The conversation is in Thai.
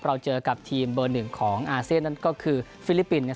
เราเจอกับทีมเบอร์๑ของอาเซียนนั่นก็คือฟิลิปปินส์